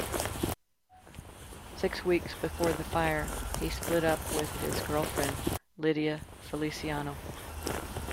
Six weeks before the fire, he split up with his girlfriend, Lydia Feliciano.